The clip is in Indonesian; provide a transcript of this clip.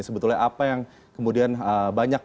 sebetulnya apa yang kemudian banyak